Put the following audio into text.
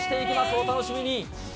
お楽しみに。